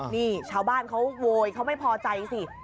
นี่ชาวบ้านเขาโวยเขาไม่พอใจสิ